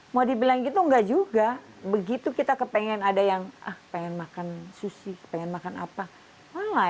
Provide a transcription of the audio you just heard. mau dibilang gitu enggak juga begitu kita kepengen ada yang ah pengen makan sushi pengen makan apa